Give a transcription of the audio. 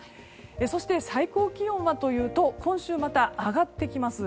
そして最高気温は今週、また上がってきます。